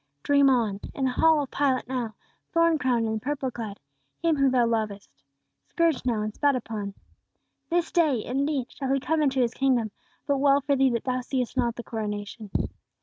Dream on! In the hall of Pilate now, thorn crowned and purple clad, Him whom thou lovest; scourged now, and spat upon. This day, indeed, shall He come into His kingdom, but well for thee, that thou seest not the coronation.